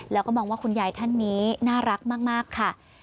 แล้วก็มองว่าคุณยายท่านนี้น่ารักมากค่ะ